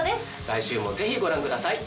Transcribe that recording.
来週もぜひご覧ください。